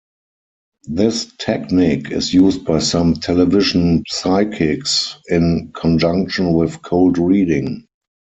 This technique is used by some television psychics in conjunction with cold reading.